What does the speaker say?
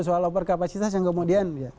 soal overcapacitas yang kemudian